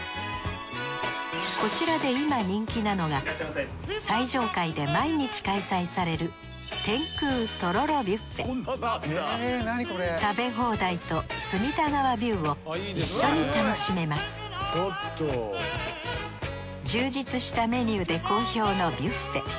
こちらで今人気なのが最上階で毎日開催される食べ放題と隅田川ビューを一緒に楽しめます充実したメニューで好評のビュッフェ。